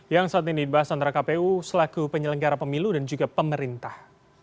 yang saat ini dibahas antara kpu selaku penyelenggara pemilu dan juga pemerintah